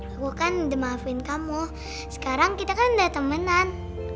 aku kan udah maafin kamu sekarang kita kan udah temenan